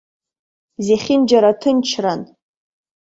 Захьынџьара ҭынчран.